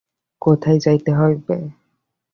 কোথায় যাইতে হইবে?